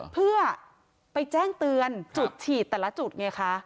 เพื่อไปแจ้งเตือนจุดฉีดแต่ละจุดไงคะ